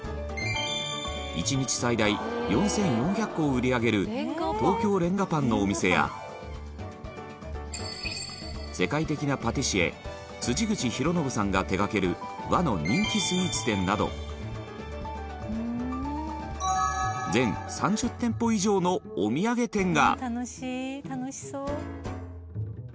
１日最大４４００個を売り上げる東京レンガぱんのお店や世界的なパティシエ辻口博啓さんが手がける和の人気スイーツ店など全３０店舗以上のお土産店が羽田：楽しい、楽しそう。